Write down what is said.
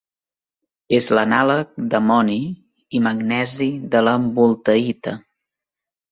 És l'anàleg d'amoni i magnesi de la voltaïta.